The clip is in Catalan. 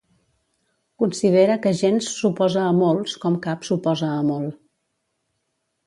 Considera que gens s'oposa a molts com cap s'oposa a molt.